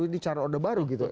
ini cara orde baru gitu